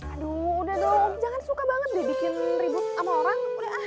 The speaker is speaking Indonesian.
aduh udah dong jangan suka banget dibikin ribut sama orang